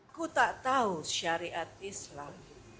ku tak tahu syariat islam